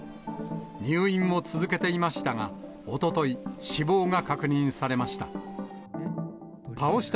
入院を続けていましたが、おととい、死亡が確認されました。